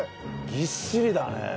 ぎっしりだね。